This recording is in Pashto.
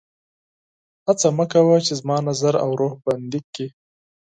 هڅه مه کوه چې زما نظر او روح بندي کړي